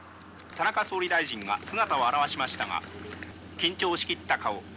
田中総理大臣は姿を現しましたが、緊張しきった顔。